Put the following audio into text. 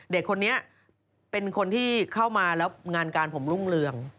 เด็กคนนี้เป็นคนที่เข้ามาแล้วงานการผมรุ่งเรือง